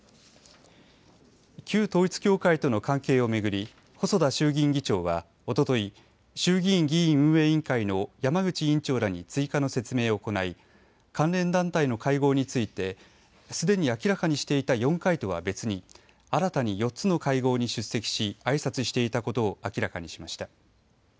旧統一教会との関係を巡り細田衆議院議長はおととい衆議院議院運営委員会の山口委員長らに追加の説明を行い関連団体の会合についてすでに明らかにしていた４回とは別に新たに４つの会合に出席しあいさつしていたことを明らかにしました。